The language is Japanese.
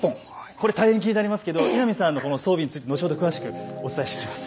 これ大変気になりますけど稲見さんのこの装備について後ほど詳しくお伝えしていきます。